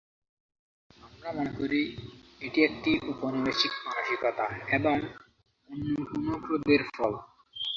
আমরা মনে করি, এটি একটি ঔপনিবেশিক মানসিকতা এবং অন্য কোনো ক্রোধের ফল।